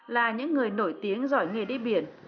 là những người nổi tiếng giỏi nghề đi biển